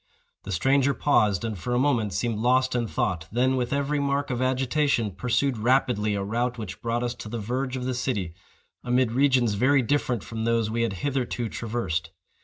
The stranger paused, and, for a moment, seemed lost in thought; then, with every mark of agitation, pursued rapidly a route which brought us to the verge of the city, amid regions very different from those we had hitherto traversed.